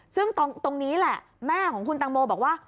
ซึ่งตรงนี้แหละแม่ของคุณตังโมบอกว่า